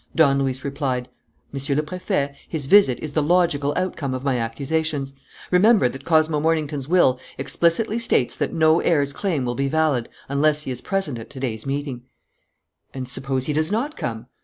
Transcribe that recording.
Don Luis replied: "Monsieur le Préfet, his visit is the logical outcome of my accusations. Remember that Cosmo Mornington's will explicitly states that no heir's claim will be valid unless he is present at to day's meeting." "And suppose he does not come?"